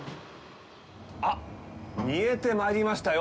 あっ、見えてまいりましたよ。